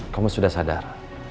kamu sudah sadar